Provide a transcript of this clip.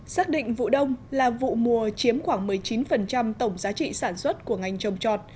xác định vụ đông là vụ mùa chiếm khoảng một mươi chín tổng giá trị sản xuất của ngành trồng trọt